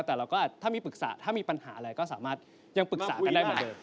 แต่เราก็ถ้ามีปรึกษาถ้ามีปัญหาอะไรก็สามารถยังปรึกษากันได้เหมือนเดิม